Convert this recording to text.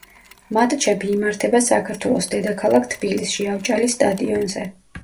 მატჩები იმართება საქართველოს დედაქალაქ თბილისში, ავჭალის სტადიონზე.